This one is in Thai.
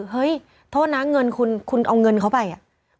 เฮ้ยโทษนะเงินคุณคุณเอาเงินเขาไปอ่ะ